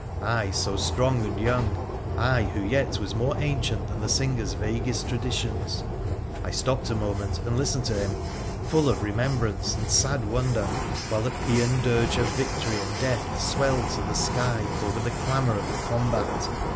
I, so strong and young ; I, who yet was more ancient than the singer's vaguest traditions — I stopped a moment and listened to him, full of remembrance and sad wonder, while the paan dirge of victory and death swelled to the sky over the clamour of the combat.